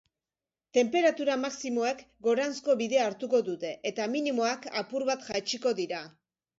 Tenperatura maximoek goranzko bidea hartuko dute, eta minimoak apur bat jaitsiko dira.